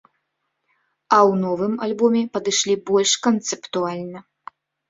А ў новым альбоме падышлі больш канцэптуальна.